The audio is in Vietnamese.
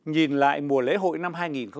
nhìn lại mùa lễ hội năm hai nghìn một mươi tám